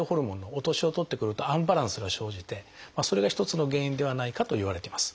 お年を取ってくるとアンバランスが生じてそれが一つの原因ではないかといわれています。